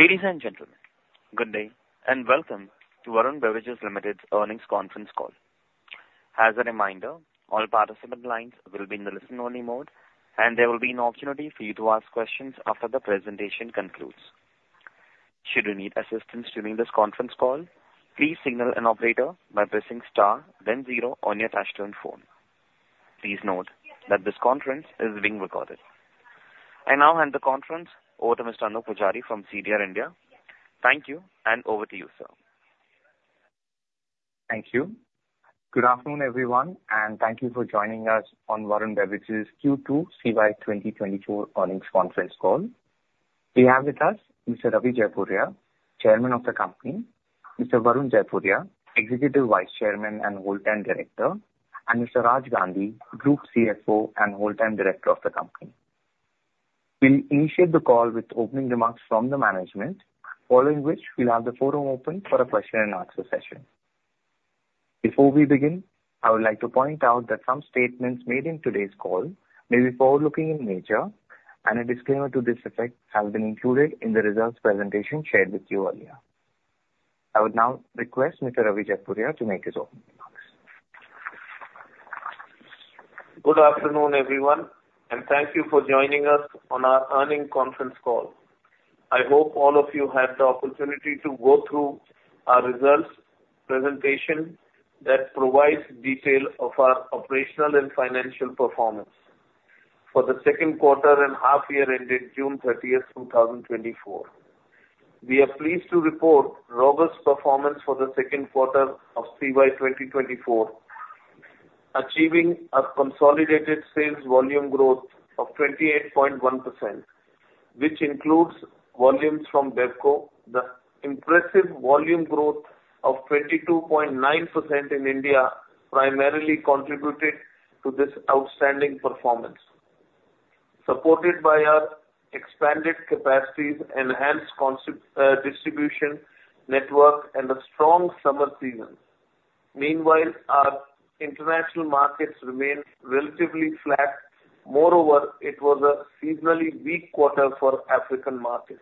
Ladies and gentlemen, good day, and welcome to Varun Beverages Limited's earnings conference call. As a reminder, all participant lines will be in the listen-only mode, and there will be an opportunity for you to ask questions after the presentation concludes. Should you need assistance during this conference call, please signal an operator by pressing star, then zero on your touchtone phone. Please note that this conference is being recorded. I now hand the conference over to Mr. Anoop Poojari from CDR India. Thank you, and over to you, sir. Thank you. Good afternoon, everyone, and thank you for joining us on Varun Beverages' Q2 CY 2024 earnings conference call. We have with us Mr. Ravi Jaipuria, Chairman of the company, Mr. Varun Jaipuria, Executive Vice Chairman and Whole Time Director, and Mr. Raj Gandhi, Group CFO and Whole Time Director of the company. We'll initiate the call with opening remarks from the management, following which we'll have the forum open for a question and answer session. Before we begin, I would like to point out that some statements made in today's call may be forward-looking in nature, and a disclaimer to this effect has been included in the results presentation shared with you earlier. I would now request Mr. Ravi Jaipuria to make his opening remarks. Good afternoon, everyone, and thank you for joining us on our earnings conference call. I hope all of you had the opportunity to go through our results presentation that provides detail of our operational and financial performance for the second quarter and half year ended June 30, 2024. We are pleased to report robust performance for the second quarter of CY 2024, achieving a consolidated sales volume growth of 28.1%, which includes volumes from BevCo. The impressive volume growth of 22.9% in India primarily contributed to this outstanding performance, supported by our expanded capacities, enhanced consumer distribution network, and a strong summer season. Meanwhile, our international markets remained relatively flat. Moreover, it was a seasonally weak quarter for African markets.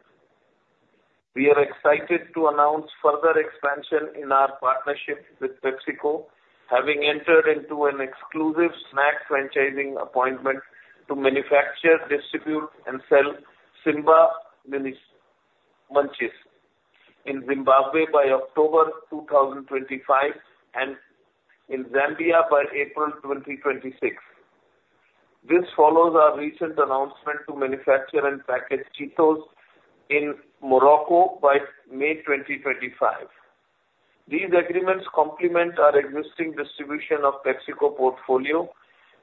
We are excited to announce further expansion in our partnership with PepsiCo, having entered into an exclusive snack franchising appointment to manufacture, distribute, and sell Simba Munchiez in Zimbabwe by October 2025 and in Zambia by April 2026. This follows our recent announcement to manufacture and package Cheetos in Morocco by May 2025. These agreements complement our existing distribution of PepsiCo portfolio,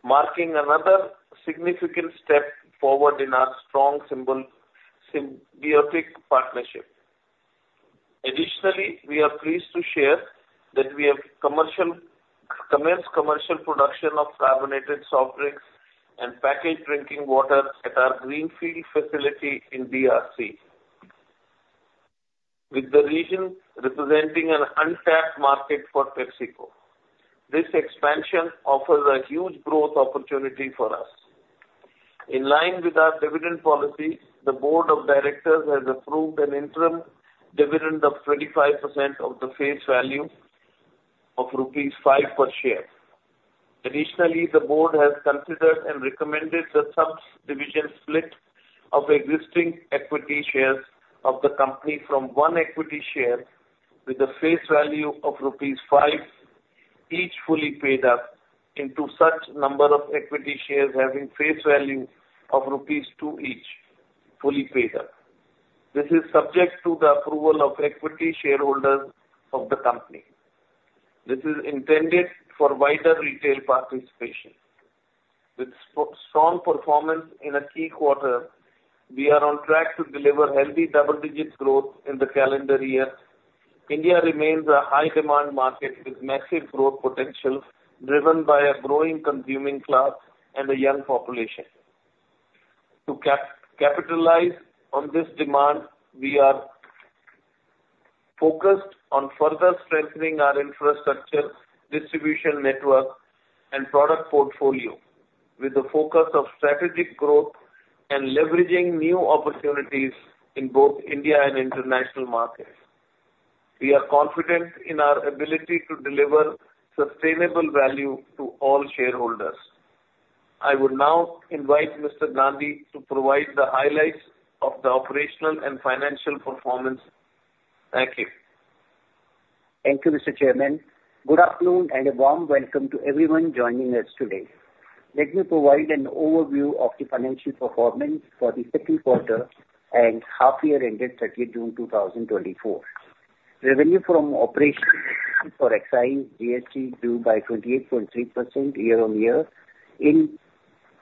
marking another significant step forward in our strong, symbiotic partnership. Additionally, we are pleased to share that we have commenced commercial production of carbonated soft drinks and packaged drinking water at our greenfield facility in DRC. With the region representing an untapped market for PepsiCo, this expansion offers a huge growth opportunity for us. In line with our dividend policy, the board of directors has approved an interim dividend of 25% of the face value of rupees 5 per share. Additionally, the board has considered and recommended the sub-division split of existing equity shares of the company from 1 equity share with a face value of rupees 5, each fully paid up, into such number of equity shares having face value of rupees 2 each, fully paid up. This is subject to the approval of equity shareholders of the company. This is intended for wider retail participation. With strong performance in a key quarter, we are on track to deliver healthy double-digit growth in the calendar year. India remains a high demand market with massive growth potential, driven by a growing consuming class and a young population. To capitalize on this demand, we are focused on further strengthening our infrastructure, distribution network, and product portfolio, with a focus of strategic growth and leveraging new opportunities in both India and international markets. We are confident in our ability to deliver sustainable value to all shareholders. I would now invite Mr. Gandhi to provide the highlights of the operational and financial performance. Thank you. Thank you, Mr. Chairman. Good afternoon, and a warm welcome to everyone joining us today. Let me provide an overview of the financial performance for the second quarter and half year ended 30 June 2024. Revenue from operations for net of excise GST grew by 28.3% year-on-year in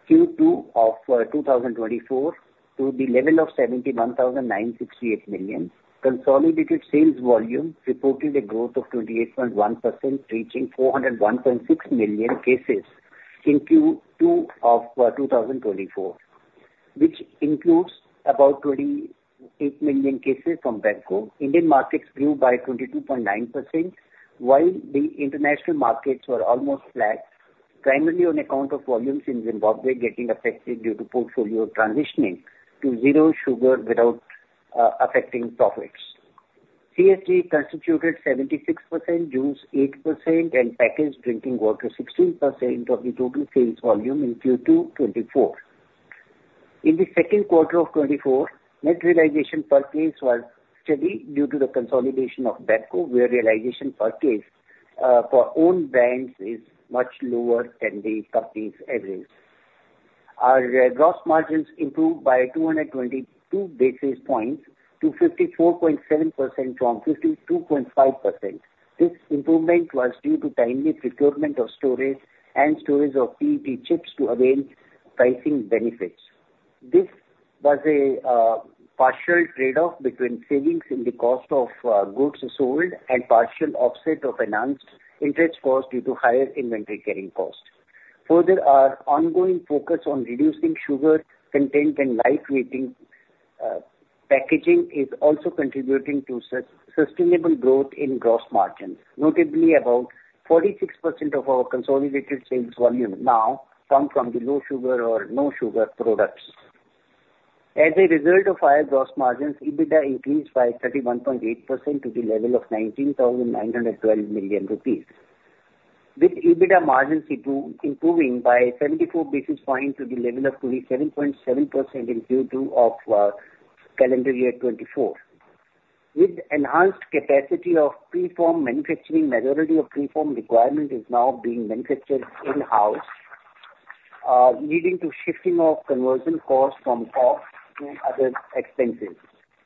Q2 of 2024 to the level of 71,968 million. Consolidated sales volume reported a growth of 28.1%, reaching 401.6 million cases in Q2 of 2024, which includes about 28 million cases from BevCo. Indian markets grew by 22.9%, while the international markets were almost flat, primarily on account of volumes in Zimbabwe getting affected due to portfolio transitioning to zero sugar without affecting profits. CSD constituted 76%, juice 8%, and packaged drinking water 16% of the total sales volume in Q2 2024. In the second quarter of 2024, net realization per case was steady due to the consolidation of BevCo, where realization per case for own brands is much lower than the company's average. Our gross margins improved by 222 basis points to 54.7% from 52.5%. This improvement was due to timely procurement of storage and storage of PET chips to avail pricing benefits. This was a partial trade-off between savings in the cost of goods sold and partial offset of enhanced interest costs due to higher inventory carrying costs. Further, our ongoing focus on reducing sugar content and light weighting packaging is also contributing to sustainable growth in gross margins. Notably, about 46% of our consolidated sales volume now come from the low sugar or no sugar products. As a result of higher gross margins, EBITDA increased by 31.8% to the level of 19,912 million rupees, with EBITDA margins improving by 74 basis points to the level of 27.7% in Q2 of calendar year 2024. With enhanced capacity of preform manufacturing, majority of preform requirement is now being manufactured in-house, leading to shifting of conversion costs from OpEx to other expenses.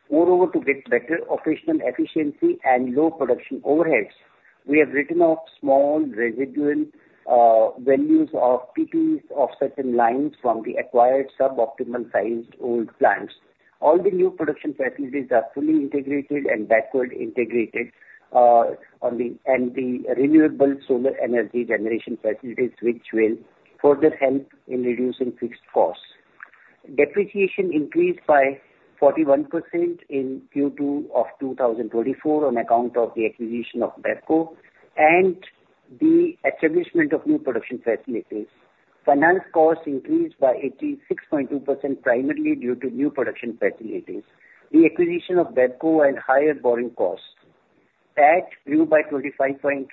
Moreover, to get better operational efficiency and low production overheads, we have written off small residual values of PPE of certain lines from the acquired sub-optimal sized old plants. All the new production facilities are fully integrated and backward integrated, and the renewable solar energy generation facilities, which will further help in reducing fixed costs. Depreciation increased by 41% in Q2 of 2024 on account of the acquisition of BevCo and the establishment of new production facilities. Finance costs increased by 86.2%, primarily due to new production facilities, the acquisition of BevCo and higher borrowing costs. Tax grew by 25.5%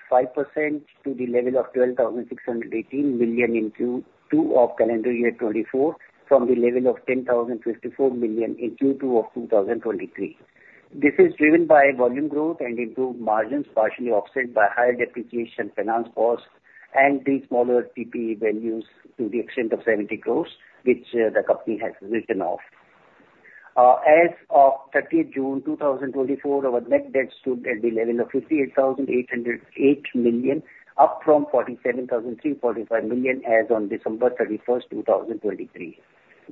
to the level of 12,618 million in Q2 of calendar year 2024, from the level of 10,054 million in Q2 of 2023. This is driven by volume growth and improved margins, partially offset by higher depreciation, finance costs and the smaller PPE values to the extent of 70 crore, which, the company has written off. As of 30 June 2024, our net debt stood at the level of 58,808 million, up from 47,345 million as on 31 December 2023.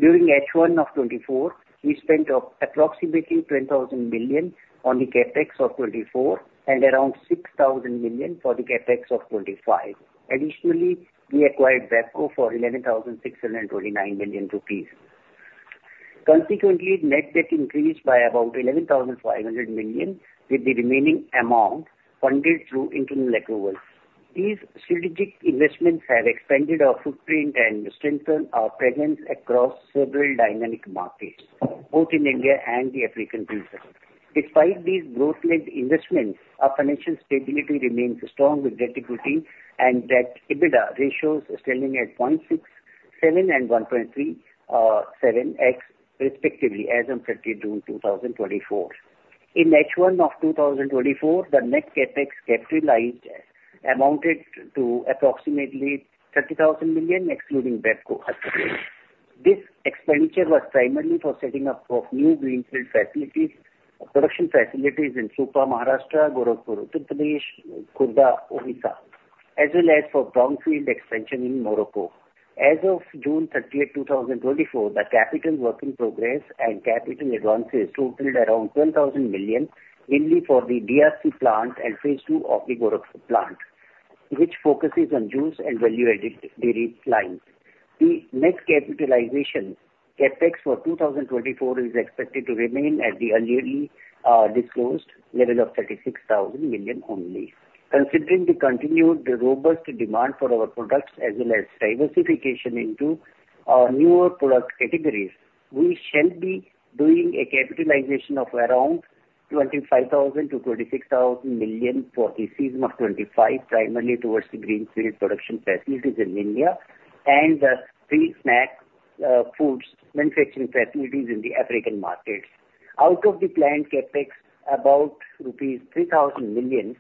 During H1 of 2024, we spent approximately 10,000 million on the CapEx of 2024, and around 6,000 million for the CapEx of 2025. Additionally, we acquired BevCo for 11,629 million rupees. Consequently, net debt increased by about 11,500 million, with the remaining amount funded through internal accruals. These strategic investments have expanded our footprint and strengthened our presence across several dynamic markets, both in India and the African region. Despite these growth-led investments, our financial stability remains strong, with debt-equity and debt-EBITDA ratios standing at 0.67 and 1.37x respectively, as on 30 June 2024. In H1 of 2024, the net CapEx capitalized amounted to approximately 30,000 million, excluding BevCo. This expenditure was primarily for setting up of new greenfield facilities, production facilities in Supa, Maharashtra; Gorakhpur, Uttar Pradesh; Khurda, Odisha, as well as for brownfield expansion in Morocco. As of 30 June 2024, the capital work in progress and capital advances totaled around 10,000 million, mainly for the DRC plant and phase 2 of the Gorakhpur plant, which focuses on juice and value-added dairy lines. The net capitalization CapEx for 2024 is expected to remain at the earlier, disclosed level of 36,000 million only. Considering the continued robust demand for our products, as well as diversification into our newer product categories, we shall be doing a capitalization of around 25,000 million-26,000 million for the season of 2025, primarily towards the greenfield production facilities in India and the snack foods manufacturing facilities in the African markets. Out of the planned CapEx, about rupees 3,000 million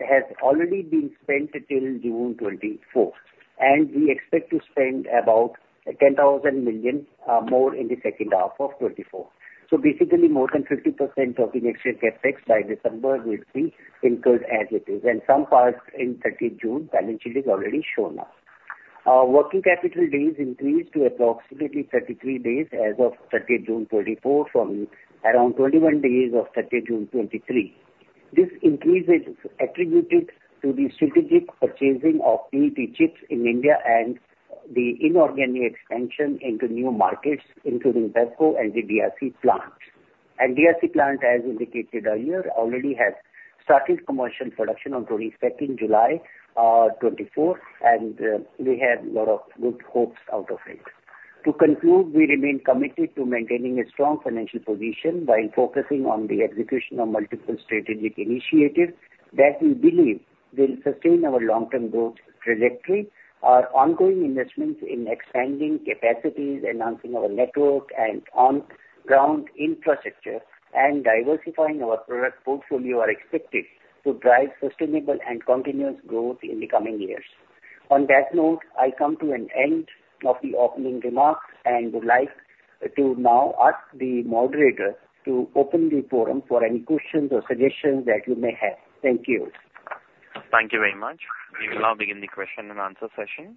has already been spent till June 2024, and we expect to spend about 10,000 million, more in the second half of 2024. So basically, more than 50% of the next year's CapEx by December will be incurred as it is, and some parts in 30 June balance sheet is already shown up. Our working capital days increased to approximately 33 days as of 30 June 2024, from around 21 days of 30 June 2023. This increase is attributed to the strategic purchasing of PET chips in India and the inorganic expansion into new markets, including BevCo and the DRC plant. The DRC plant, as indicated earlier, already has started commercial production on 22 July 2024, and we have a lot of good hopes out of it. To conclude, we remain committed to maintaining a strong financial position while focusing on the execution of multiple strategic initiatives that we believe will sustain our long-term growth trajectory. Our ongoing investments in expanding capacities, enhancing our network, and on ground infrastructure, and diversifying our product portfolio are expected to drive sustainable and continuous growth in the coming years. On that note, I come to an end of the opening remarks and would like to now ask the moderator to open the forum for any questions or suggestions that you may have. Thank you. Thank you very much. We will now begin the question-and-answer session.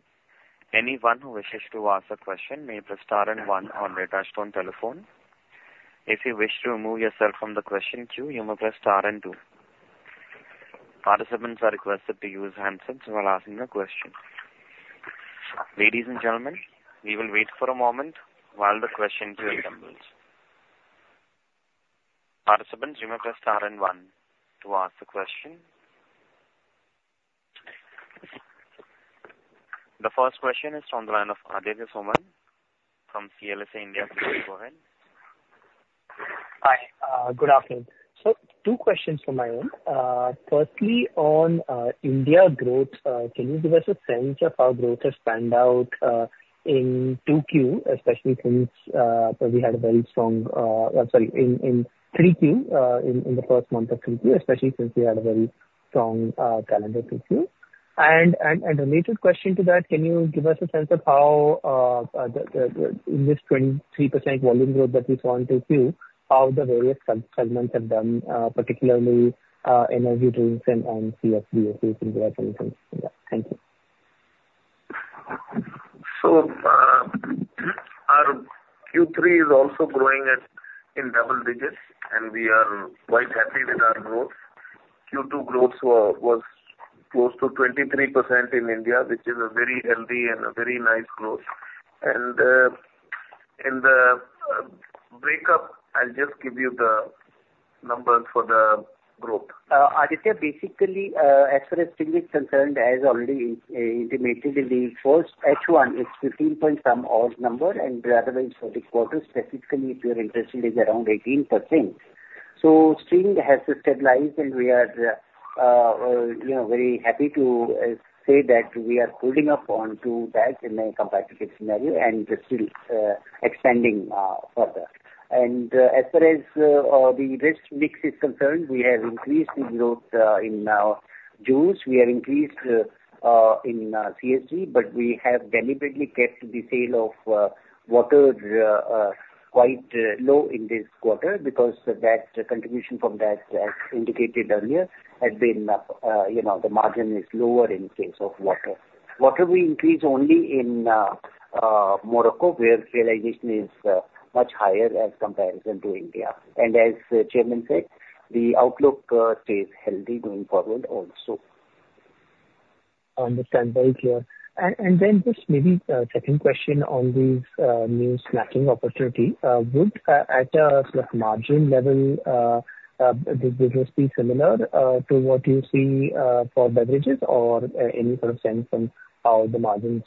Anyone who wishes to ask a question may press star and one on their touchtone telephone. If you wish to remove yourself from the question queue, you may press star and two. Participants are requested to use handsets while asking the question. Ladies and gentlemen, we will wait for a moment while the questions assemble. Participants, you may press star and one to ask the question. The first question is from the line of Aditya Soman from CLSA India. Please go ahead. Hi, good afternoon. So two questions from my own. Firstly, on India growth, can you give us a sense of how growth has panned out in Q2, especially since we had a very strong, sorry, in Q3, in the first month of Q3, especially since we had a very strong calendar Q3? And a related question to that, can you give us a sense of how in this 23% volume growth that we saw in Q2, how the various segments have done, particularly energy drinks and CSDs in India? Thank you. So, our Q3 is also growing at, in double digits, and we are quite happy with our growth. Q2 growth was close to 23% in India, which is a very healthy and a very nice growth. In the breakup, I'll just give you the numbers for the group. Aditya, basically, as far as Sting is concerned, as already intimated in the first H1, it's 15 point some odd number, and rather than for the quarter, specifically, if you're interested, is around 18%. So Sting has stabilized, and we are, you know, very happy to say that we are holding up onto that in a competitive scenario and still expanding further. And, as far as the product mix is concerned, we have increased the growth in juice. We have increased in CSD, but we have deliberately kept the sale of water quite low in this quarter because that contribution from that, as indicated earlier, has been, you know, the margin is lower in case of water. Water, we increase only in Morocco, where realization is much higher as comparison to India. As the chairman said, the outlook stays healthy going forward also. Understand. Very clear. And then just maybe a second question on these new snacking opportunity. Would at a sort of margin level this would be similar to what you see for beverages, or any sort of sense on how the margins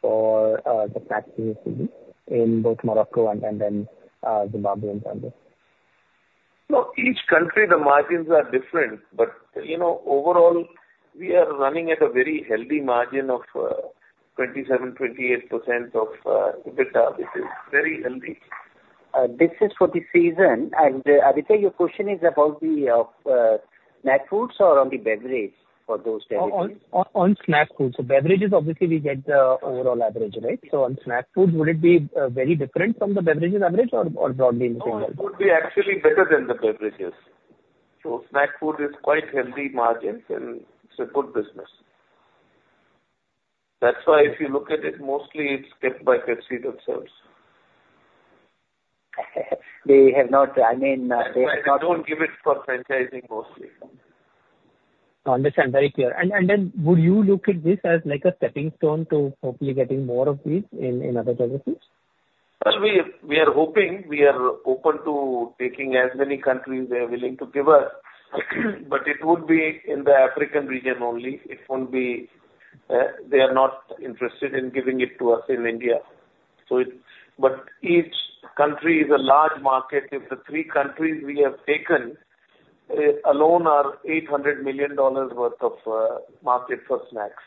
for the snacks will be in both Morocco and then Zimbabwe and Zambia? So each country, the margins are different, but, you know, overall, we are running at a very healthy margin of 27%-28% of EBITDA. This is very healthy. This is for the season. And Aditya, your question is about the snack foods or on the beverages for those territories? On snack foods. So beverages, obviously, we get the overall average, right? So on snack foods, would it be very different from the beverages average or broadly the same? No, it would be actually better than the beverages. So snack food is quite healthy margins and it's a good business. That's why if you look at it, mostly it's kept by Pepsi themselves. They have not, I mean, they have not. They don't give it for franchising mostly. Understand. Very clear. And then would you look at this as like a stepping stone to hopefully getting more of these in other territories? Well, we are hoping. We are open to taking as many countries they are willing to give us, but it would be in the African region only. It won't be... They are not interested in giving it to us in India. But each country is a large market. If the three countries we have taken alone are $800 million worth of market for snacks.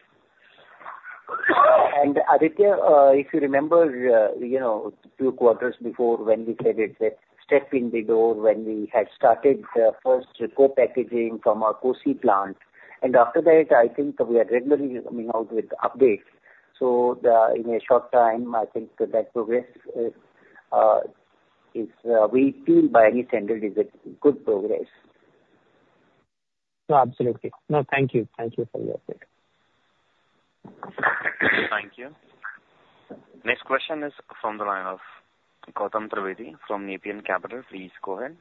And Aditya, if you remember, you know, two quarters before, when we said it's a step in the door, when we had started the first co-packaging from our Kosi plant, and after that, I think we are regularly coming out with updates. So, in a short time, I think that progress we feel by any standard is a good progress. No, absolutely. No, thank you. Thank you for the update. Thank you. Next question is from the line of Gautam Trivedi from Nepean Capital. Please go ahead.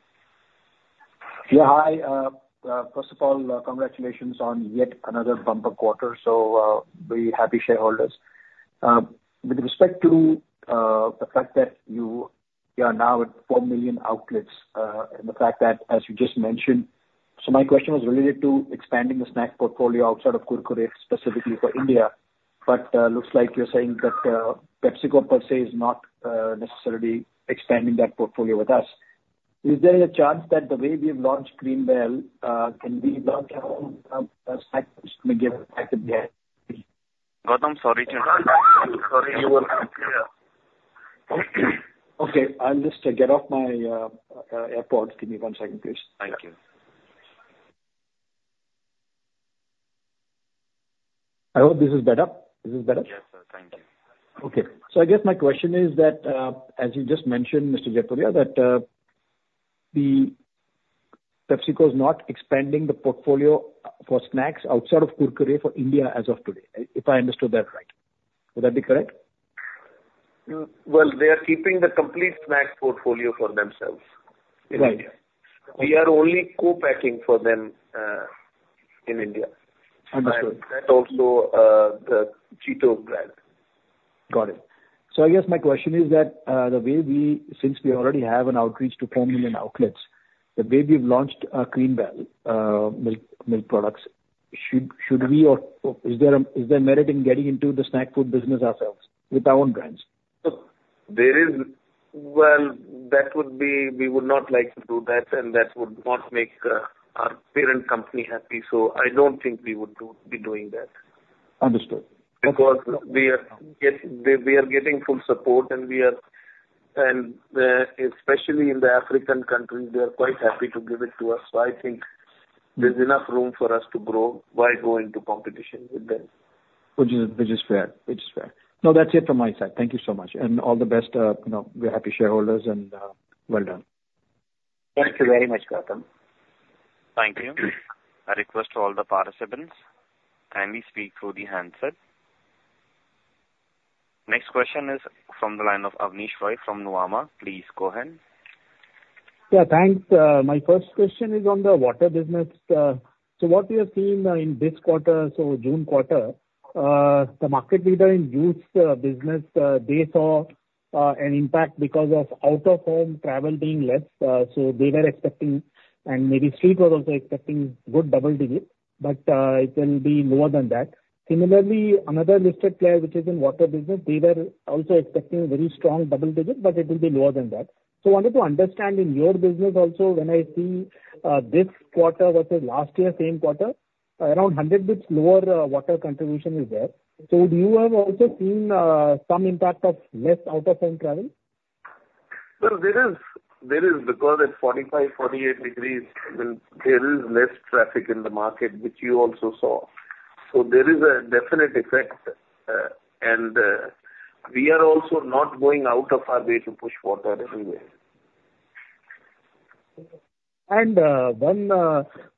Yeah, hi. First of all, congratulations on yet another bumper quarter, so, we're happy shareholders. With respect to the fact that you are now at 4 million outlets, and the fact that as you just mentioned, so my question was related to expanding the snack portfolio outside of Kurkure, specifically for India. But, looks like you're saying that PepsiCo per se is not necessarily expanding that portfolio with us. Is there any chance that the way we've launched Cream Bell can be launched around, Gautam, sorry, you are not clear. Okay, I'll just get off my AirPods. Give me one second, please. Thank you. I hope this is better. Is it better? Yes, sir. Thank you. Okay. So I guess my question is that, as you just mentioned, Mr. Jaipuria, that, the PepsiCo is not expanding the portfolio for snacks outside of Kurkure for India as of today, if I understood that right. Would that be correct? Well, they are keeping the complete snack portfolio for themselves. Right in India. We are only co-packing for them, in India. Understood. That's also the Cheetos brand. Got it. So I guess my question is that, the way we—since we already have an outreach to 10 million outlets, the way we've launched Cream Bell, milk products, should we or is there merit in getting into the snack food business ourselves with our own brands? There is... Well, that would be, we would not like to do that, and that would not make our parent company happy, so I don't think we would be doing that. Understood. Because we are getting full support, and especially in the African countries, they are quite happy to give it to us, so I think there's enough room for us to grow. Why go into competition with them? Which is fair. No, that's it from my side. Thank you so much, and all the best. You know, we're happy shareholders, and well done. Thank you very much, Gautam. Thank you. I request all the participants, kindly speak through the handset. Next question is from the line of Avneesh Roy from Nomura. Please go ahead. Yeah, thanks. My first question is on the water business. So what we have seen in this quarter, so June quarter, the market leader in juice business, they saw an impact because of out-of-home travel being less. So they were expecting, and maybe Street was also expecting, good double digits, but it will be lower than that. Similarly, another listed player, which is in water business, they were also expecting very strong double digits, but it will be lower than that. So wanted to understand in your business also, when I see this quarter versus last year same quarter, around 100 basis points lower, water contribution is there. So do you have also seen some impact of less out-of-home travel? Well, there is, because it's 45, 48 degrees, then there is less traffic in the market, which you also saw. So there is a definite effect, and we are also not going out of our way to push water anywhere. One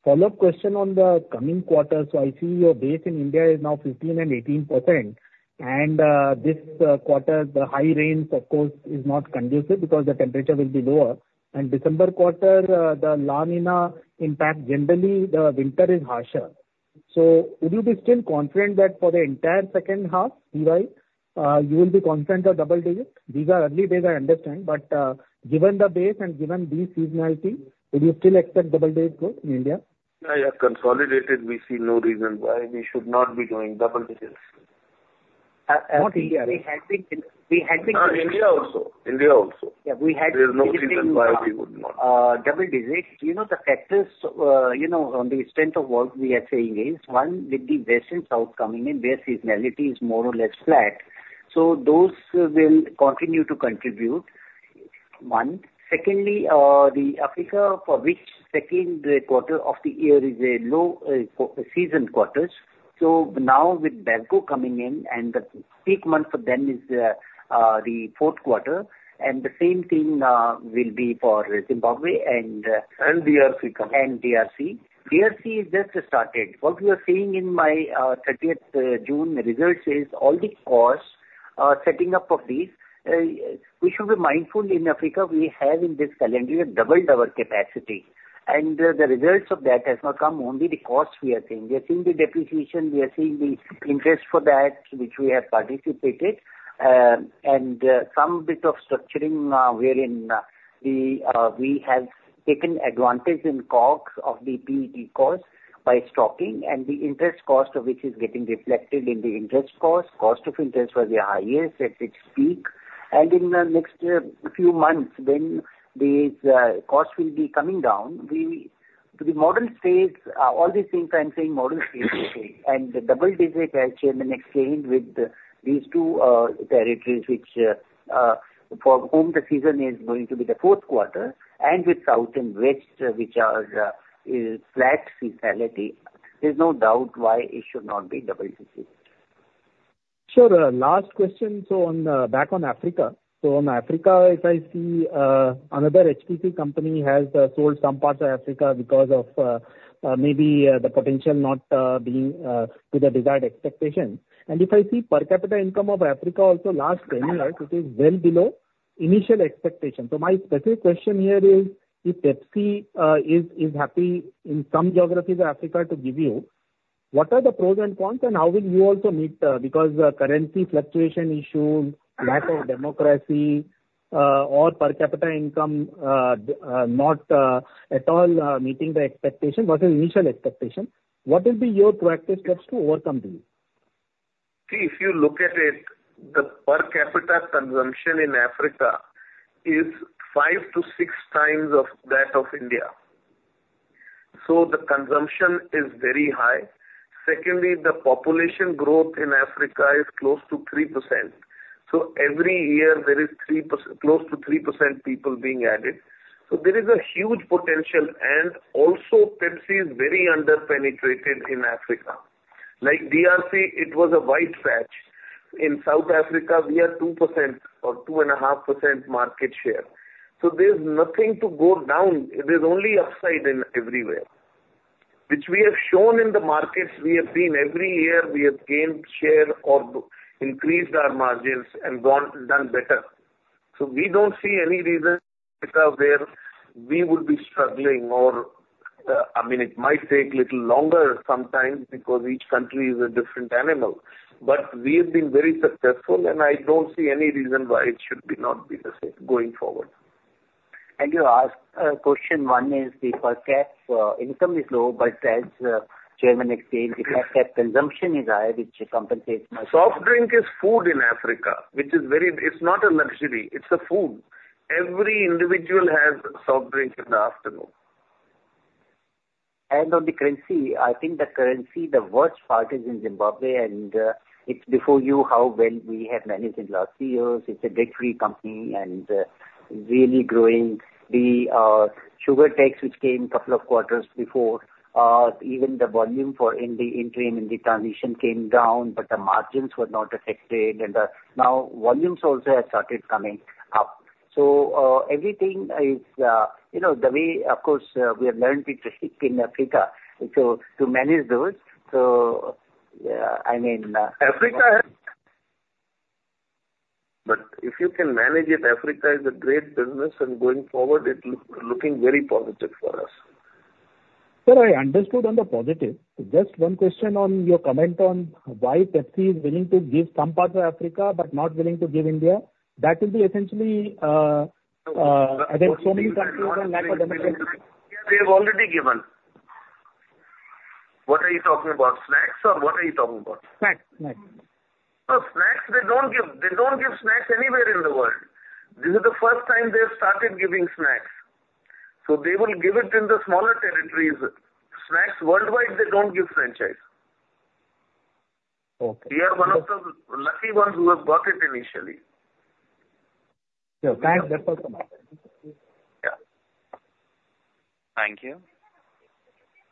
follow-up question on the coming quarter. So I see your base in India is now 15% and 18%, and this quarter, the high rains, of course, is not conducive because the temperature will be lower. And December quarter, the La Niña impact, generally, the winter is harsher. So would you be still confident that for the entire second half, FY, you will be confident of double digits? These are early days, I understand, but given the base and given this seasonality, would you still expect double-digit growth in India? Yeah, consolidated, we see no reason why we should not be doing double digits. India, we had been- India also. India also. Yeah, we had- There's no reason why we would not. Double digits. You know, the factors, you know, on the extent of what we are saying is, one, with the west and south coming in, their seasonality is more or less flat, so those will continue to contribute, one. Secondly, Africa, for which second quarter of the year is a low season quarters, so now with BevCo coming in and the peak month for them is the fourth quarter, and the same thing will be for Zimbabwe and- And DRC. DRC. DRC is just started. What we are seeing in my thirtieth June results is all the costs are setting up of these. We should be mindful in Africa, we have in this calendar year doubled our capacity, and the results of that has not come. Only the costs we are seeing. We are seeing the depreciation, we are seeing the interest for that which we have participated, and some bit of structuring, wherein we have taken advantage in COGS of the PET costs by stocking, and the interest cost of which is getting reflected in the interest costs. Cost of interest was the highest at its peak, and in the next few months, when these costs will be coming down, we, the model stays, all these things I'm saying, model stays the same. And the double digits I changed in the next change with these two, for whom the season is going to be the fourth quarter, and with South and West, which are is flat seasonality, there's no doubt why it should not be double digits. Sure. Last question, so on, back on Africa. So on Africa, if I see, another HTC company has sold some parts of Africa because of maybe the potential not being to the desired expectations. And if I see per capita income of Africa also last calendar, it is well below initial expectation. So my specific question here is, if Pepsi is happy in some geographies of Africa to give you, what are the pros and cons, and how will you also meet because the currency fluctuation issue, lack of democracy or per capita income not at all meeting the expectation, what is initial expectation, what will be your proactive steps to overcome these? See, if you look at it, the per capita consumption in Africa is 5x-6x of that of India. So the consumption is very high. Secondly, the population growth in Africa is close to 3%. So every year there is 3%- close to 3% people being added. So there is a huge potential, and also Pepsi is very under-penetrated in Africa. Like DRC, it was a greenfield. In South Africa, we are 2% or 2.5% market share. So there's nothing to go down, it is only upside in everywhere, which we have shown in the markets. We have seen every year we have gained share or increased our margins and gone, done better. So we don't see any reason out there we would be struggling or, I mean, it might take little longer sometime because each country is a different animal. But we have been very successful, and I don't see any reason why it should be not be the same going forward. You ask, question one is the per cap income is low, but as chairman explained, the per cap consumption is high, which compensates much. Soft drink is food in Africa, which is very... It's not a luxury, it's a food. Every individual has a soft drink in the afternoon. On the currency, I think the currency, the worst part is in Zimbabwe, and it's before you how well we have managed in last few years. It's a debt-free company and really growing. The sugar tax which came couple of quarters before, even the volume for in the interim in the transition came down, but the margins were not affected, and now volumes also have started coming up. So everything is, you know, the way, of course we have learned it in Africa, so to manage those. So I mean, Africa, but if you can manage it, Africa is a great business, and going forward, it looking very positive for us. Sir, I understood on the positive. Just one question on your comment on why Pepsi is willing to give some parts of Africa but not willing to give India? That will be essentially against so many countries and lack of democracy. They have already given. What are you talking about? Snacks, or what are you talking about? Snacks, snacks. Oh, snacks, they don't give, they don't give snacks anywhere in the world. This is the first time they've started giving snacks. So they will give it in the smaller territories. Snacks worldwide, they don't give franchise. Okay. We are one of the lucky ones who have got it initially. Yeah, that's also nice. Yeah. Thank you.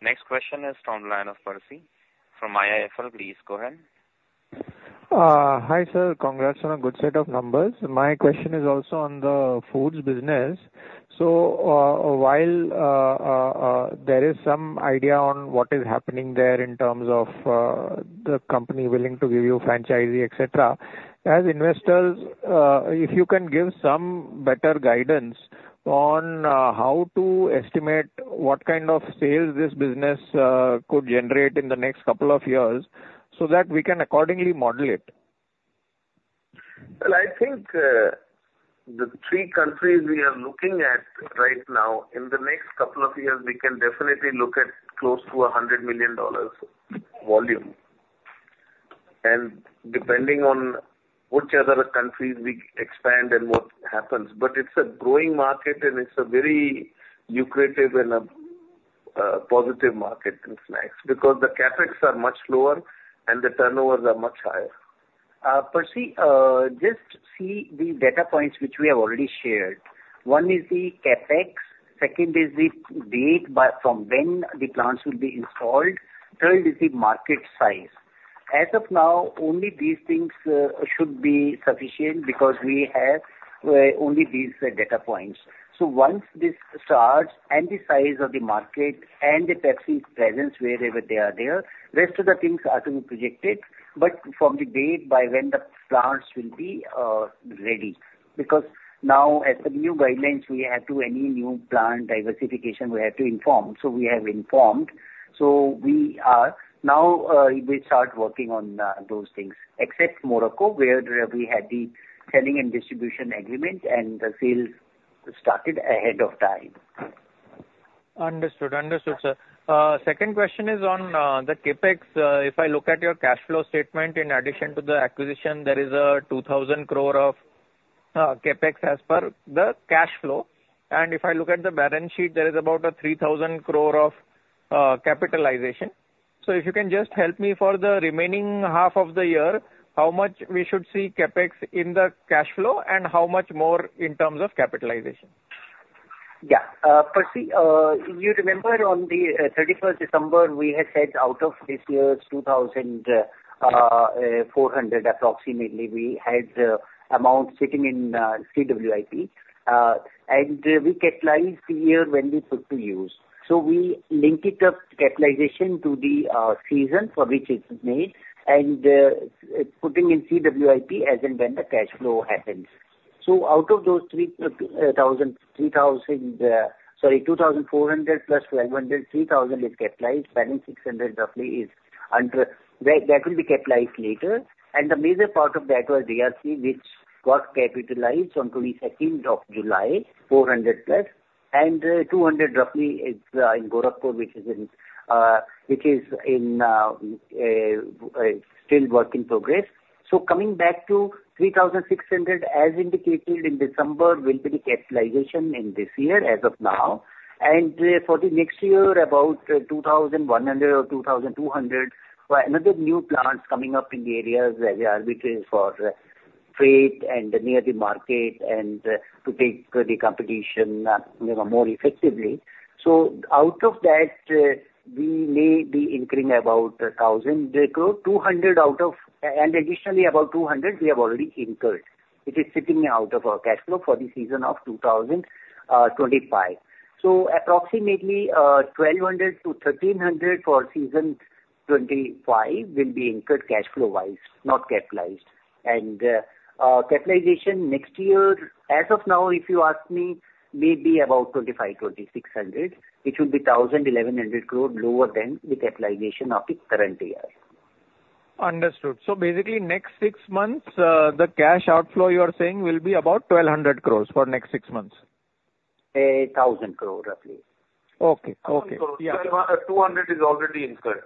Next question is from the line of Percy from IIFL. Please, go ahead. Hi, sir. Congrats on a good set of numbers. My question is also on the foods business. So, there is some idea on what is happening there in terms of the company willing to give you franchisee, et cetera, as investors, if you can give some better guidance on how to estimate what kind of sales this business could generate in the next couple of years so that we can accordingly model it. Well, I think, the three countries we are looking at right now, in the next couple of years, we can definitely look at close to $100 million volume, and depending on which other countries we expand and what happens. But it's a growing market, and it's a very lucrative and a, positive market in snacks because the CapEx are much lower and the turnovers are much higher. Percy, just see the data points which we have already shared. One is the CapEx, second is the date by, from when the plants will be installed, third is the market size. As of now, only these things should be sufficient because we have only these data points. So once this starts, and the size of the market, and the Pepsi presence wherever they are there, rest of the things are to be projected, but from the date by when the plants will be ready. Because now, as the new guidelines, we have to any new plant diversification, we have to inform. So we have informed. So we are now, we start working on those things, except Morocco, where we had the selling and distribution agreement and the sales started ahead of time. Understood. Understood, sir. Second question is on the CapEx. If I look at your cash flow statement, in addition to the acquisition, there is 2,000 crore of CapEx as per the cash flow. If I look at the balance sheet, there is about 3,000 crore of capitalization. So if you can just help me for the remaining half of the year, how much we should see CapEx in the cash flow and how much more in terms of capitalization? Yeah. Percy, you remember on the 31st December, we had said out of this year's 2,400, approximately, we had amount sitting in CWIP. And we capitalize the year when we put to use. So we link it up, capitalization, to the season for which it's made, and putting in CWIP as and when the cash flow happens. So out of those 3,000, 2,400 plus 500, 3,000 is capitalized. Balance 600 roughly is under, that will be capitalized later. And the major part of that was DRC, which got capitalized on 22nd of July, 400 plus, and 200 roughly is in Gorakhpur, which is still work in progress. So coming back to 3,600, as indicated in December, will be the capitalization in this year as of now. And for the next year, about 2,100 or 2,200, for another new plants coming up in the areas where we are waiting for freight and near the market and, to take the competition, you know, more effectively. So out of that, we may be incurring about 1,000 crore. 200 out of-- And additionally, about 200 we have already incurred, which is sitting out of our cash flow for the season of 2025. So approximately, 1,200 to 1,300 for season 2025 will be incurred cash flow-wise, not capitalized. Our capitalization next year, as of now, if you ask me, may be about 2,500-2,600 crore, which will be 1,000-1,100 crore lower than the capitalization of the current year. Understood. So basically, next six months, the cash outflow you are saying will be about 1,200 crore for next six months? 1,000 crore, roughly. Okay. Okay. Yeah. 200 is already incurred.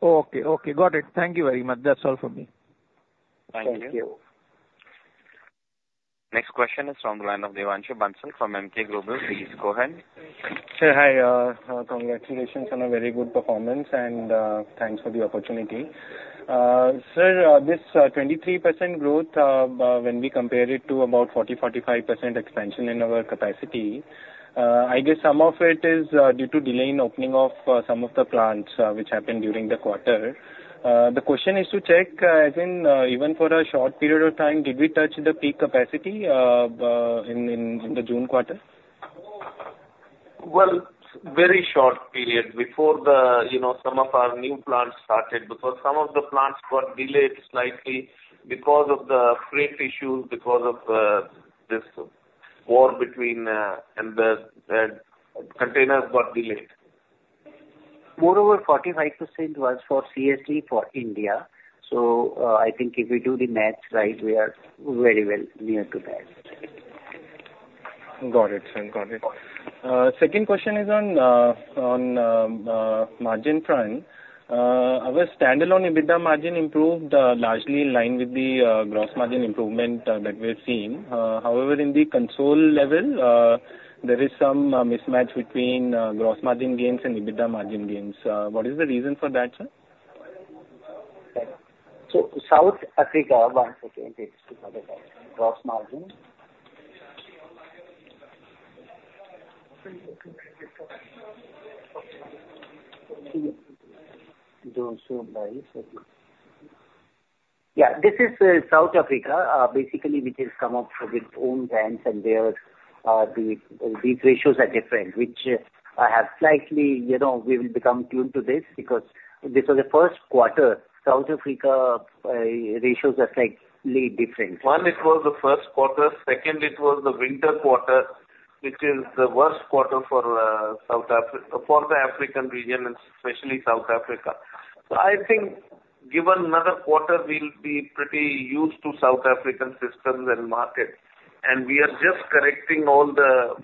Okay, okay. Got it. Thank you very much. That's all for me. Thank you. Next question is from the line of Devanshu Bansal from Emkay Global. Please go ahead. Sir, hi. Congratulations on a very good performance, and thanks for the opportunity. Sir, this 23% growth, when we compare it to about 40%-45% expansion in our capacity, I guess some of it is due to delay in opening of some of the plants, which happened during the quarter. The question is to check, I think, even for a short period of time, did we touch the peak capacity in the June quarter? Well, very short period before the, you know, some of our new plants started, because some of the plants got delayed slightly because of the freight issues, because of this war between and the containers got delayed. Moreover, 45% was for CSD, for India. So, I think if we do the math right, we are very well near to that. Got it, sir. Got it. Second question is on margin front. Our standalone EBITDA margin improved largely in line with the gross margin improvement that we're seeing. However, in the consolidated level, there is some mismatch between gross margin gains and EBITDA margin gains. What is the reason for that, sir? So, South Africa, one second, please, gross margin. Don't show by... Yeah, this is South Africa, basically which has come up with own brands and their, the, these ratios are different, which have slightly, you know, we will become tuned to this because this was the first quarter. South Africa ratios are slightly different. One, it was the first quarter. Second, it was the winter quarter, which is the worst quarter for the African region and especially South Africa. So I think given another quarter, we'll be pretty used to South African systems and market, and we are just correcting all the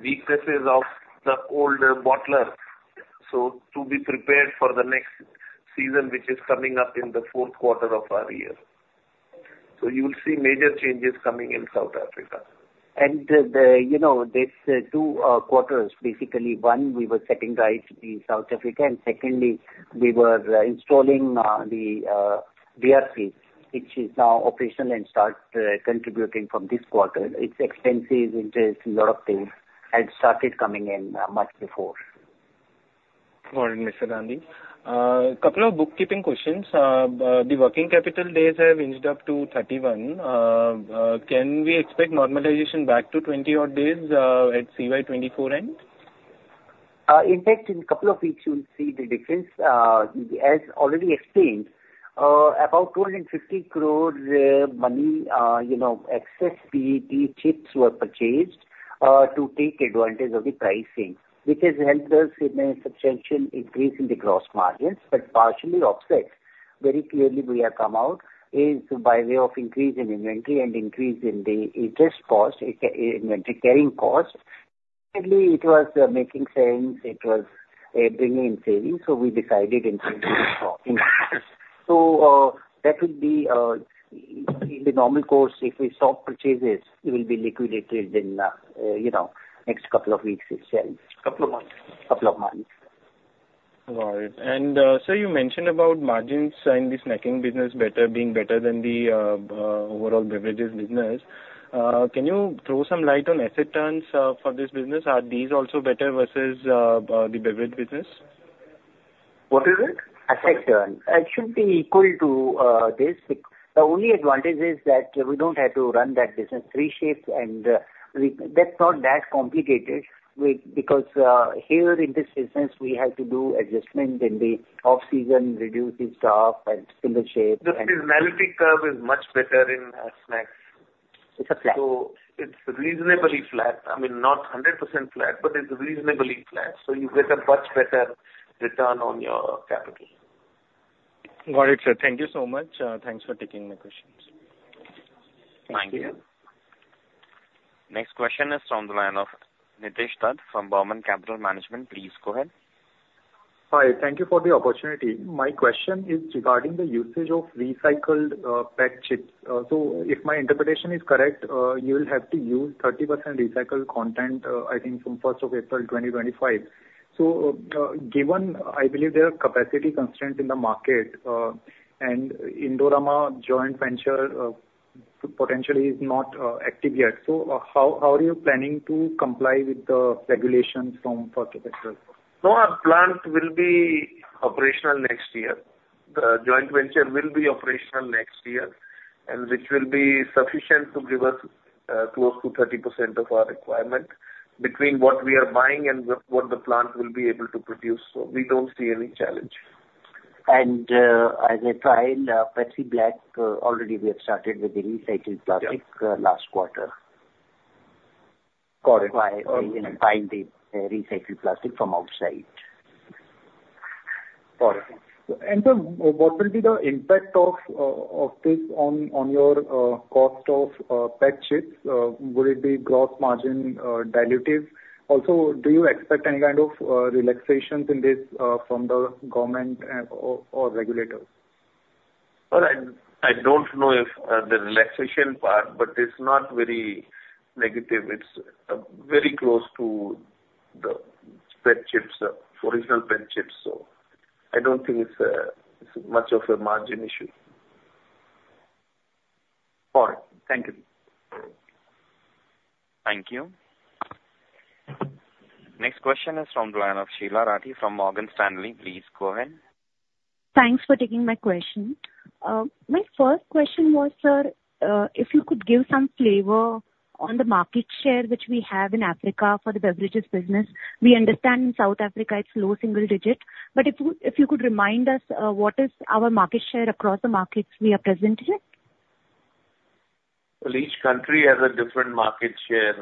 weaknesses of the older bottler, so to be prepared for the next season, which is coming up in the fourth quarter of our year. So you will see major changes coming in South Africa. You know, these two quarters, basically, one, we were setting right in South Africa, and secondly, we were installing the DRC, which is now operational and start contributing from this quarter. It's expensive. It takes a lot of things and started coming in much before. Got it, Mr. Gandhi. A couple of bookkeeping questions. The working capital days have inched up to 31. Can we expect normalization back to 20-odd days, at CY 2024 end? In fact, in a couple of weeks you'll see the difference. As already explained, about 250 crore money, you know, excess PET chips were purchased to take advantage of the pricing, which has helped us in a substantial increase in the gross margins, but partially offset. Very clearly, we have come out, is by way of increase in inventory and increase in the interest cost, in inventory carrying cost. Clearly, it was making sense. It was bringing in savings, so we decided in increase. So, that will be in the normal course, if we stop purchases, it will be liquidated in, you know, next couple of weeks itself. Couple of months. Couple of months. Got it. Sir, you mentioned about margins in the snacking business better, being better than the overall beverages business. Can you throw some light on asset turns for this business? Are these also better versus the beverage business? What is it? Asset turn. It should be equal to this. The only advantage is that we don't have to run that business three shifts, and we... That's not that complicated. We, because here in this business, we have to do adjustment in the off-season, reduce the staff and single shift and- The seasonality curve is much better in snacks.... So it's reasonably flat. I mean, not 100% flat, but it's reasonably flat, so you get a much better return on your capital. Got it, sir. Thank you so much. Thanks for taking my questions. Thank you. Thank you. Next question is from the line of Nitesh Dhoot from Burman Capital Management. Please go ahead. Hi, thank you for the opportunity. My question is regarding the usage of recycled PET chips. So if my interpretation is correct, you'll have to use 30% recycled content, I think from first of April 2025. So, given I believe there are capacity constraints in the market, and Indorama joint venture potentially is not active yet, so how, how are you planning to comply with the regulations from first of April? No, our plant will be operational next year. The joint venture will be operational next year, and which will be sufficient to give us close to 30% of our requirement between what we are buying and what the plant will be able to produce. So we don't see any challenge. As I tried Pepsi Black, already we have started with the recycled plastic- Yeah. - last quarter. Got it. By buying the recycled plastic from outside. Got it. And, sir, what will be the impact of, of this on, on your, cost of, PET chips? Will it be gross margin dilutive? Also, do you expect any kind of, relaxations in this, from the government, or, or regulators? Well, I don't know if the relaxation part, but it's not very negative. It's very close to the PET chips, original PET chips, so I don't think it's much of a margin issue. All right. Thank you. Thank you. Next question is from the line of Sheela Rathi from Morgan Stanley. Please go ahead. Thanks for taking my question. My first question was, sir, if you could give some flavor on the market share which we have in Africa for the beverages business. We understand South Africa, it's low single digit, but if you, if you could remind us, what is our market share across the markets we are present in? Well, each country has a different market share,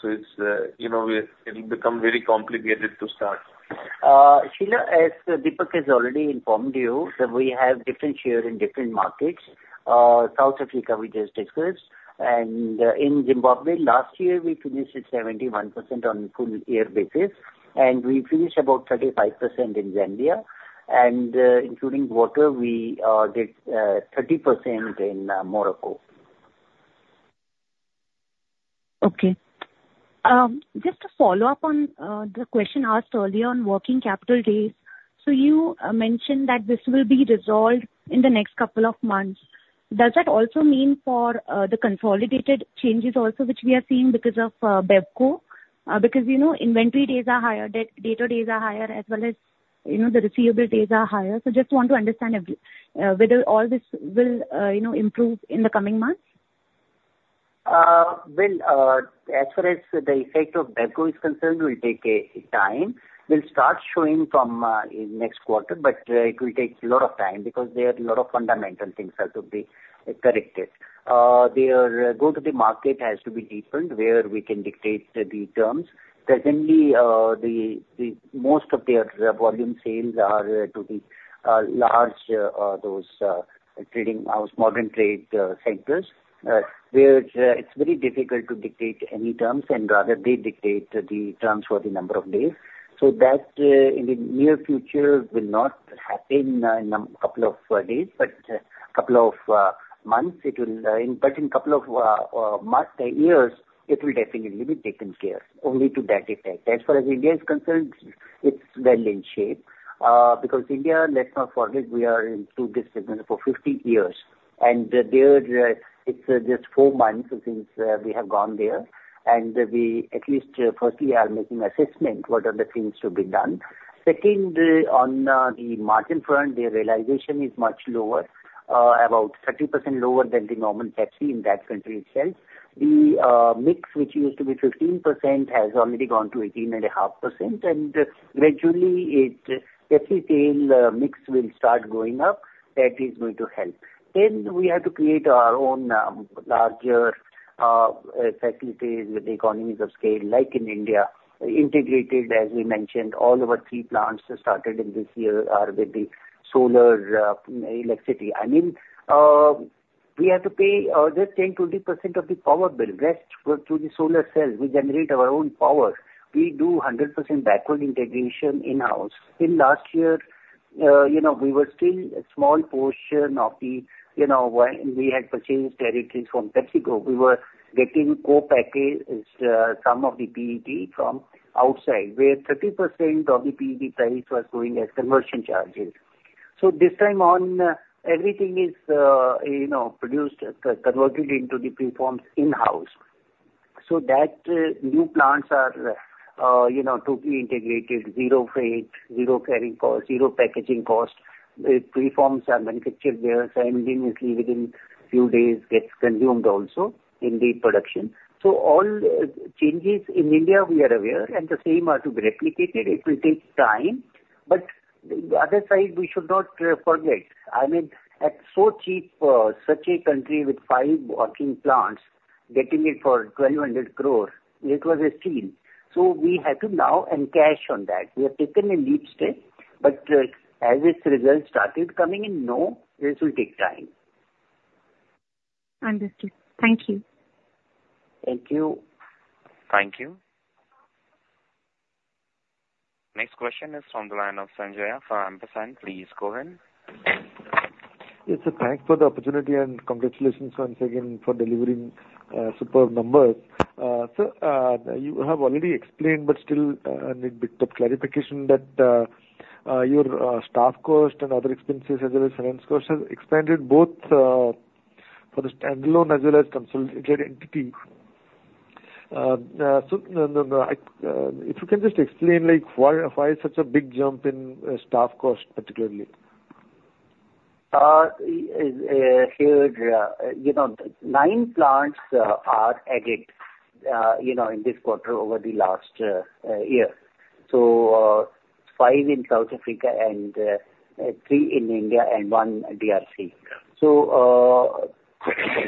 so it's, you know, it, it'll become very complicated to start. Sheila, as Deepak has already informed you, that we have different share in different markets. South Africa, we just discussed, and in Zimbabwe last year we finished at 71% on full year basis, and we finished about 35% in Zambia, and including water, we did 30% in Morocco. Okay. Just to follow up on the question asked earlier on working capital days. So you mentioned that this will be resolved in the next couple of months. Does that also mean for the consolidated changes also, which we are seeing because of BevCo? Because, you know, inventory days are higher, debtor days are higher, as well as, you know, the receivable days are higher. So just want to understand if whether all this will, you know, improve in the coming months. Well, as far as the effect of BevCo is concerned, it will take a time. It will start showing from next quarter, but it will take a lot of time because there are a lot of fundamental things that are to be corrected. Their go-to-market has to be different, where we can dictate the terms. Presently, the most of their volume sales are to the large trading house, modern trade sectors, where it's very difficult to dictate any terms and rather they dictate the terms for the number of days. So that in the near future will not happen in a couple of days, but a couple of months it will. But in a couple of months, years, it will definitely be taken care of, only to that effect. As far as India is concerned, it's well in shape. Because India, let's not forget, we are into this business for 50 years, and there, it's just 4 months since we have gone there. And we at least firstly are making assessment, what are the things to be done. Second, on the margin front, the realization is much lower, about 30% lower than the normal Pepsi in that country itself. The mix, which used to be 15%, has already gone to 18.5%, and gradually it, Pepsi sales mix, will start going up. That is going to help. Then we have to create our own larger facilities with economies of scale, like in India, integrated, as we mentioned, all our 3 plants started in this year are with the solar electricity. I mean, we have to pay just 10%-20% of the power bill. Rest go through the solar cells. We generate our own power. We do 100% backward integration in-house. In last year, you know, we were still a small portion of the, you know, when we had purchased territories from PepsiCo. We were getting co-packaged some of the PET from outside, where 30% of the PET price was going as conversion charges. So this time on, everything is, you know, produced, converted into the preforms in-house. So that new plants are, you know, to be integrated, zero freight, zero carrying cost, zero packaging cost. The preforms are manufactured there, simultaneously within few days gets consumed also in the production. So all changes in India we are aware, and the same are to be replicated. It will take time... But the other side, we should not, forget, I mean, at so cheap for such a country with five working plants, getting it for 1,200 crore, it was a steal. So we had to now encash on that. We have taken a leap step, but, as its results started coming in, no, this will take time. Understood. Thank you. Thank you. Thank you. Next question is from the line of Sanjay from Ampersand. Please go ahead. Yes, sir, thanks for the opportunity, and congratulations once again for delivering superb numbers. So, you have already explained, but still, need bit of clarification that your staff cost and other expenses as well as finance costs have expanded both for the standalone as well as consolidated entity. So, if you can just explain, like, why, why such a big jump in staff cost, particularly? You know, nine plants are added, you know, in this quarter over the last year. So, five in South Africa, and three in India, and one DRC.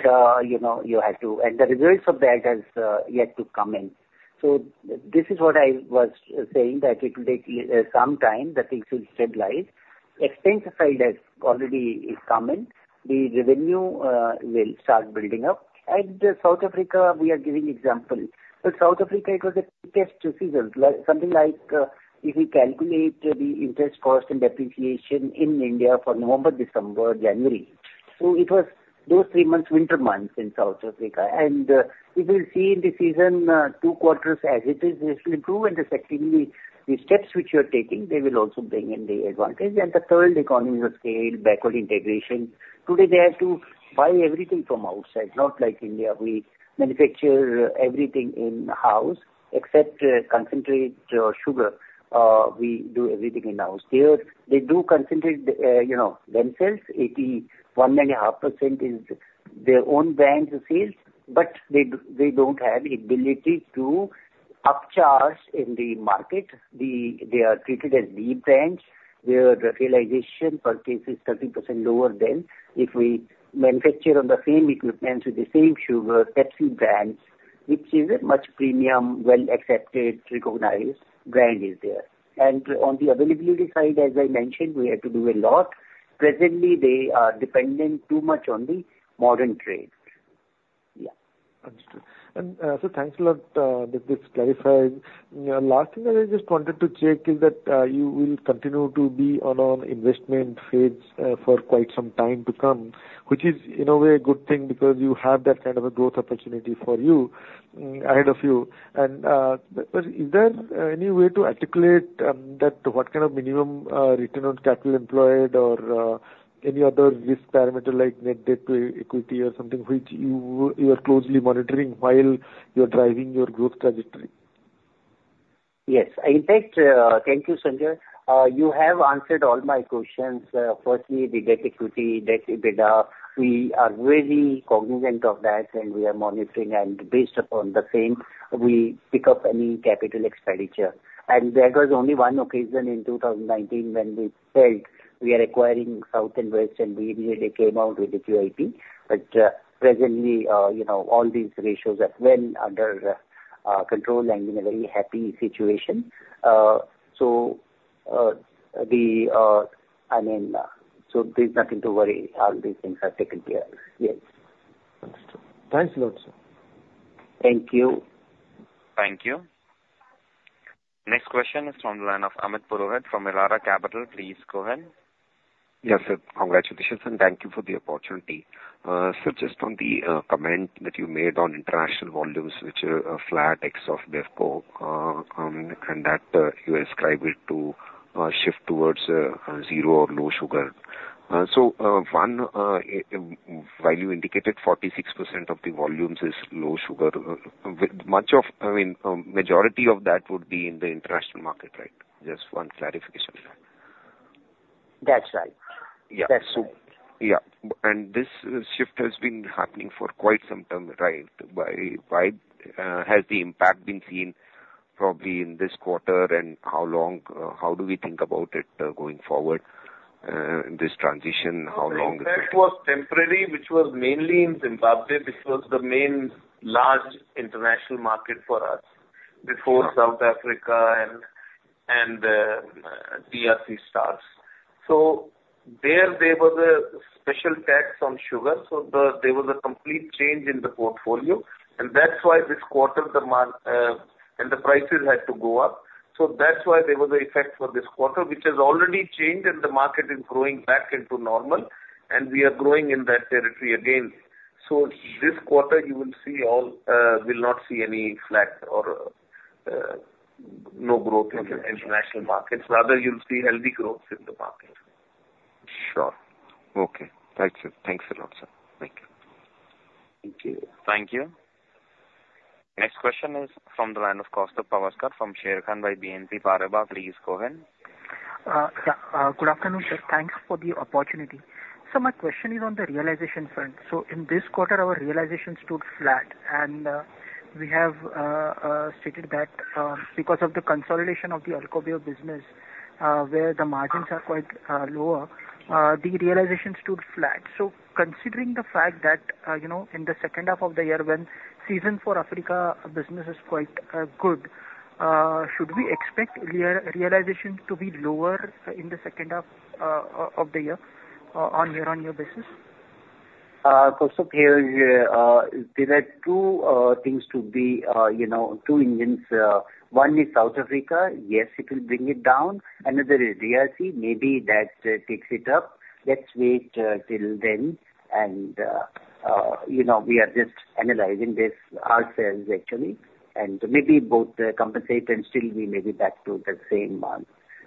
So, you know, you had to... And the results of that has yet to come in. So this is what I was saying, that it will take some time, the things will stabilize. Expense side has already is coming. The revenue will start building up. At South Africa, we are giving example. So South Africa, it was a test season, like, something like, if you calculate the interest cost and depreciation in India for November, December, January. So it was those three months, winter months in South Africa. You will see in the season, two quarters as it is, this will improve and effectively, the steps which you are taking, they will also bring in the advantage. And the third, economies of scale, backward integration. Today, they have to buy everything from outside, not like India. We manufacture everything in-house, except, concentrate sugar, we do everything in-house. Here, they do concentrate, you know, themselves, 81.5% is their own brands sales, but they do, they don't have ability to upcharge in the market. They are treated as B brands, where the realization per case is 30% lower than if we manufacture on the same equipment with the same sugar, Pepsi brands, which is a much premium, well-accepted, recognized brand is there. And on the availability side, as I mentioned, we had to do a lot. Presently, they are dependent too much on the modern trade. Yeah. Understood. And, so thanks a lot, that this clarified. Last thing I just wanted to check is that, you will continue to be on an investment phase, for quite some time to come, which is, in a way, a good thing, because you have that kind of a growth opportunity for you, ahead of you. And, but is there, any way to articulate, that what kind of minimum, return on capital employed or, any other risk parameter like net debt to equity or something, which you, you are closely monitoring while you're driving your growth trajectory? Yes. In fact, thank you, Sanjay. You have answered all my questions. Firstly, the debt-equity, debt-EBITDA, we are very cognizant of that, and we are monitoring, and based upon the same, we pick up any capital expenditure. And there was only one occasion in 2019 when we said we are acquiring South and West, and we immediately came out with the QIP. But, presently, you know, all these ratios are well under control and in a very happy situation. So, I mean, so there's nothing to worry, all these things are taken care. Yes. Understood. Thanks a lot, sir. Thank you. Thank you. Next question is from the line of Amit Purohit from Elara Capital. Please go ahead. Yes, sir, congratulations, and thank you for the opportunity. So just on the comment that you made on international volumes, which are flat ex of BevCo, and that you ascribe it to shift towards zero or low sugar. So one while you indicated 46% of the volumes is low sugar, with much of, I mean, majority of that would be in the international market, right? Just one clarification. That's right. Yeah. That's right. Yeah. This shift has been happening for quite some time, right? Why, why, has the impact been seen probably in this quarter, and how long, how do we think about it, going forward, this transition, how long is it? No, the impact was temporary, which was mainly in Zimbabwe. This was the main large international market for us- Yeah. -before South Africa and DRC starts. So there was a special tax on sugar, so there was a complete change in the portfolio, and that's why this quarter, the margin and the prices had to go up. So that's why there was an effect for this quarter, which has already changed, and the market is growing back into normal, and we are growing in that territory again. So this quarter you will see all. Will not see any slack or no growth- Okay. in international markets. Rather, you'll see healthy growth in the market. Sure. Okay. Thanks, sir. Thanks a lot, sir. Thank you. Thank you. Thank you. Next question is from the line of Kaustubh Pawaskar from BNP Paribas. Please go ahead. Yeah, good afternoon, sir. Thanks for the opportunity. So my question is on the realization front. So in this quarter, our realization stood flat, and, ... We have stated that, because of the consolidation of the BevCo business, where the margins are quite lower, the realization stood flat. So considering the fact that, you know, in the second half of the year, when season for Africa business is quite good, should we expect realization to be lower in the second half of the year, on year-on-year basis? So here, there are two things to be, you know, two engines. One is South Africa. Yes, it will bring it down. Another is DRC, maybe that takes it up. Let's wait till then, and, you know, we are just analyzing this ourselves actually, and maybe both compensate, and still we may be back to the same,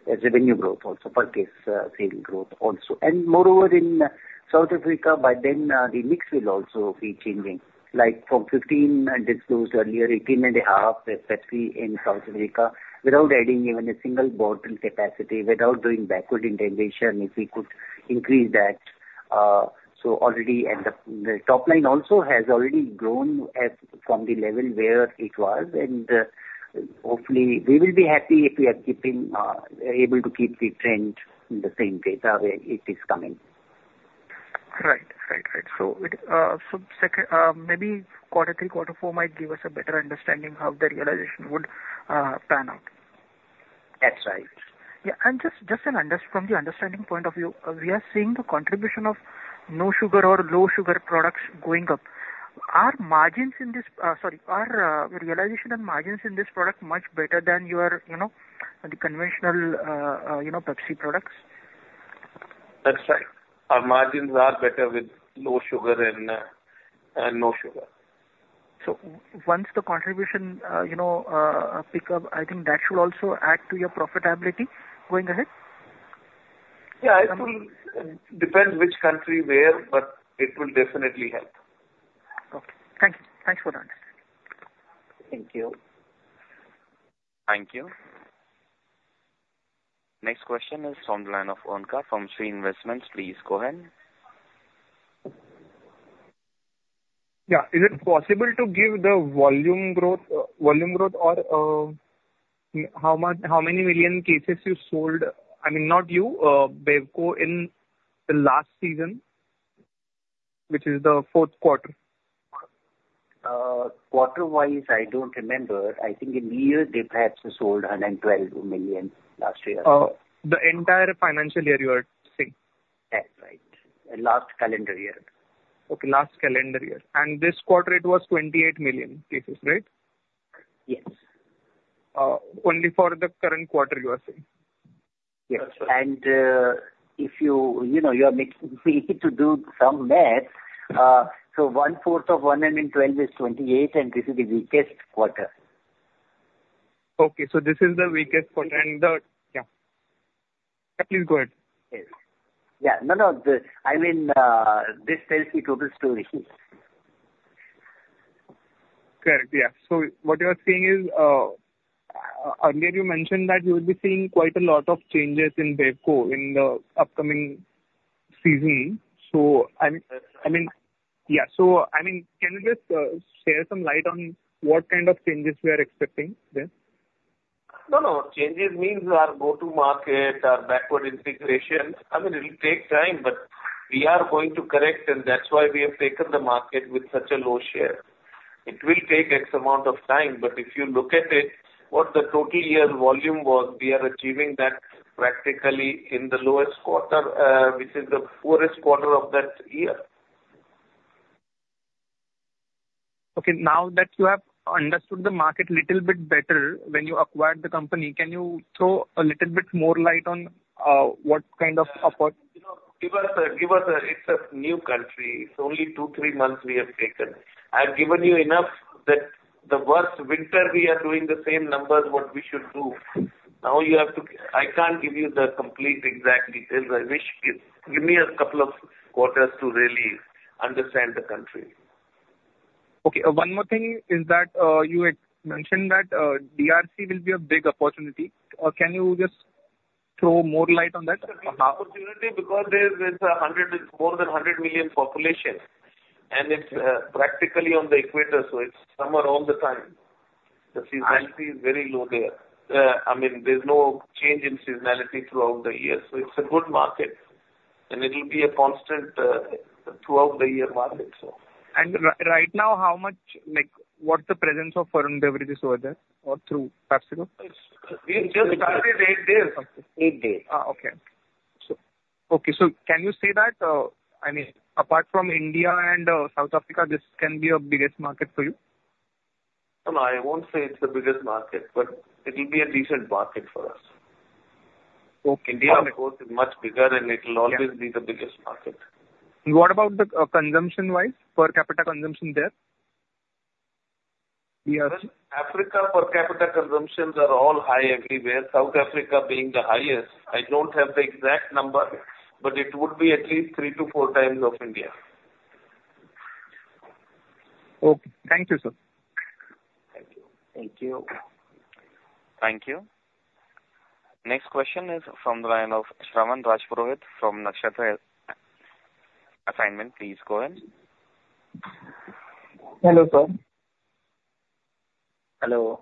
revenue growth, also per case, sales growth also. And moreover, in South Africa, by then, the mix will also be changing. Like from 15, I disclosed earlier, 18.5 Pepsi in South Africa, without adding even a single bottle capacity, without doing backward integration, if we could increase that. So already, and the top line also has already grown as from the level where it was, and hopefully we will be happy if we are keeping able to keep the trend in the same data where it is coming. Right. Right, right. So it, so second, maybe quarter three, quarter four might give us a better understanding how the realization would pan out. That's right. Yeah, and just from the understanding point of view, we are seeing the contribution of no sugar or low sugar products going up. Are margins in this, sorry, realization and margins in this product much better than your, you know, the conventional, you know, Pepsi products? That's right. Our margins are better with low sugar and no sugar. Once the contribution, you know, pick up, I think that should also add to your profitability going ahead? Yeah, it will depend which country, where, but it will definitely help. Okay. Thank you. Thanks for the answer. Thank you. Thank you. Next question is from the line of Onkar from Shree Investments. Please go ahead. Yeah. Is it possible to give the volume growth, volume growth or how much, how many million cases you sold? I mean, not you, BevCo in the last season, which is the fourth quarter. Quarter-wise, I don't remember. I think in the year they perhaps sold 112 million last year. The entire financial year, you are saying? That's right. Last calendar year. Okay, last calendar year. This quarter it was 28 million cases, right? Yes. Only for the current quarter, you are saying? Yes. That's right. If you, you know, you are mixing... We need to do some math. So, 1/4 of 112 is 28, and this is the weakest quarter. Okay, so this is the weakest quarter and the... Yeah. Yeah, please go ahead. Yes. Yeah, no, no, I mean, this tells the total story. Correct. Yeah. So what you are saying is, earlier you mentioned that you will be seeing quite a lot of changes in BevCo in the upcoming season. So, I mean, yeah, so I mean, can you just shed some light on what kind of changes we are expecting there? No, no changes means our go-to-market, our backward integration. I mean, it will take time, but we are going to correct, and that's why we have taken the market with such a low share. It will take x amount of time, but if you look at it, what the total year volume was, we are achieving that practically in the lowest quarter, which is the poorest quarter of that year. Okay, now that you have understood the market little bit better when you acquired the company, can you throw a little bit more light on what kind of approach? You know, give us a... It's a new country. It's only 2-3 months we have taken. I've given you enough that the worst winter we are doing the same numbers, what we should do. Now, you have to... I can't give you the complete exact details. I wish. Give me a couple of quarters to really understand the country. Okay, one more thing is that you had mentioned that DRC will be a big opportunity. Can you just throw more light on that? It's an opportunity because there is 100, more than 100 million population, and it's practically on the equator, so it's summer all the time. The seasonality is very low there. I mean, there's no change in seasonality throughout the year, so it's a good market, and it'll be a constant throughout the year market, so. Right now, how much, like, what's the presence of Varun Beverages over there or through PepsiCo? It's, we just started eight days. Eight days. Okay. So, okay, so can you say that, I mean, apart from India and South Africa, this can be a biggest market for you? No, I won't say it's the biggest market, but it will be a decent market for us. Okay. India, of course, is much bigger, and it will always- Yeah. be the biggest market. What about the consumption-wise, per capita consumption there? We are- Africa per capita consumptions are all high everywhere, South Africa being the highest. I don't have the exact number, but it would be at least three to four times of India. Okay. Thank you, sir. Thank you. Thank you. Thank you. Next question is from the line of Shravan Rajpurohit from Nakshatra. Please go ahead. Hello, sir. Hello.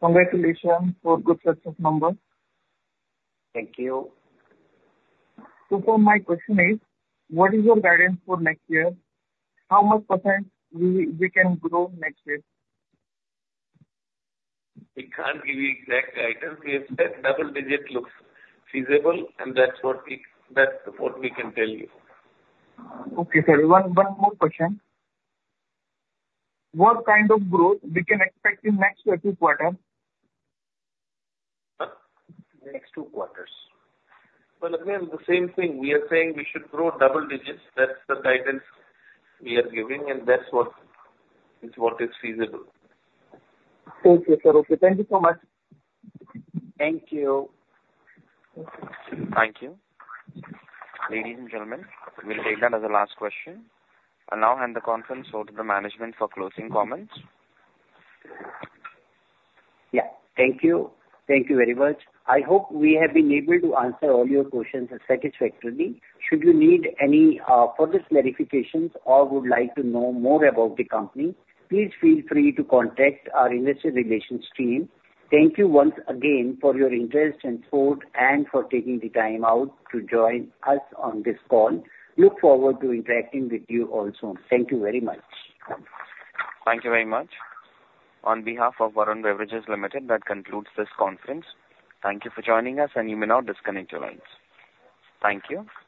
Congratulations for good success numbers. Thank you. So far, my question is: What is your guidance for next year? How much % we can grow next year? We can't give you exact guidance. We have said double digit looks feasible, and that's what we can tell you. Okay, sir. One more question. What kind of growth we can expect in next two quarters? Uh, Next two quarters. Well, again, the same thing. We are saying we should grow double digits. That's the guidance we are giving, and that's what is, what is feasible. Okay, sir. Okay. Thank you so much. Thank you. Thank you. Thank you. Ladies and gentlemen, we'll take that as the last question. I'll now hand the conference over to the management for closing comments. Yeah, thank you. Thank you very much. I hope we have been able to answer all your questions satisfactorily. Should you need any further clarifications or would like to know more about the company, please feel free to contact our investor relations team. Thank you once again for your interest and support and for taking the time out to join us on this call. Look forward to interacting with you all soon. Thank you very much. Thank you very much. On behalf of Varun Beverages Limited, that concludes this conference. Thank you for joining us, and you may now disconnect your lines. Thank you.